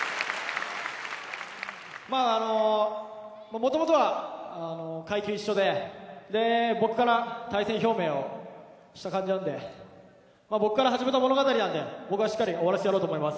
もともとは、階級一緒で僕から対戦表明をした感じなので僕から始めた物語なので僕がしっかり終わらせてやろうと思います。